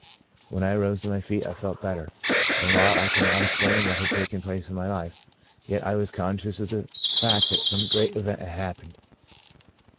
When I arose to my feet I felt better, and while I could not explain what had taken place in my life, yet I was conscious of the fact that some great event had happened.